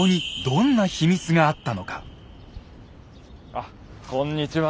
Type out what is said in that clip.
あっこんにちは。